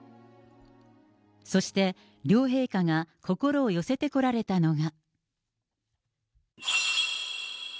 そして、両陛下が心を寄せてこられたのが。